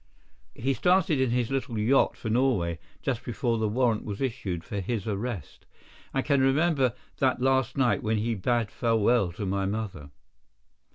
He started in his little yacht for Norway just before the warrant was issued for his arrest. I can remember that last night when he bade farewell to my mother.